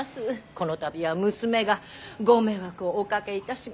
この度は娘がご迷惑をおかけいたしまして。